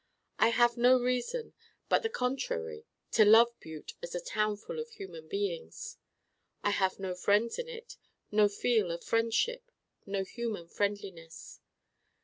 I have no reason: but the contrary: to love Butte as a townful of human beings. I have no friends in it, no feel of friendship, no human friendliness.